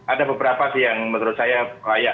ada beberapa sih yang menurut saya layak